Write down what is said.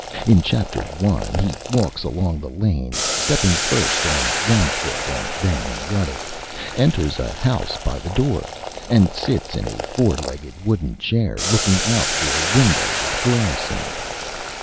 In Chapter I. he walks along the Lane, stepping first on one Foot and then on the Other, enters a House by the Door, and sits in a four legged wooden Chair, looking out through a Window with Glass in it.